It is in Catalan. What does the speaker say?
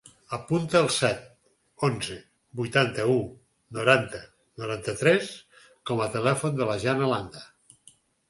Apunta el set, onze, vuitanta-u, noranta, noranta-tres com a telèfon de la Janna Landa.